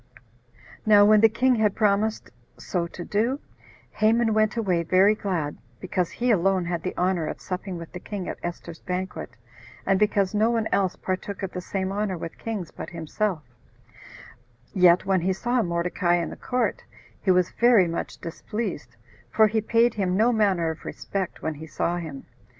10. Now when the king had promised so to do, Haman went away very glad, because he alone had the honor of supping with the king at Esther's banquet, and because no one else partook of the same honor with kings but himself; yet when he saw Mordecai in the court, he was very much displeased, for he paid him no manner of respect when he saw him.